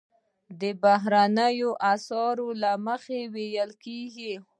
دا د بهرنیو اسعارو له مخې ویل کیږي.